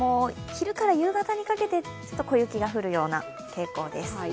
昼から夕方にかけて小雪が降るような傾向です。